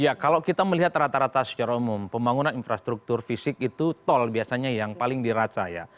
ya kalau kita melihat rata rata secara umum pembangunan infrastruktur fisik itu tol biasanya yang paling diraca ya